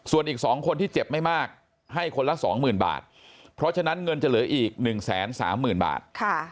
ส่วนอีก๒คนที่เจ็บไม่มากให้คนละ๒๐๐๐บาทเพราะฉะนั้นเงินจะเหลืออีก๑๓๐๐๐บาท